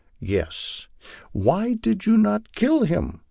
"Yes. Why did you not kill him?"